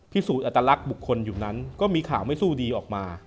สูจนอัตลักษณ์บุคคลอยู่นั้นก็มีข่าวไม่สู้ดีออกมา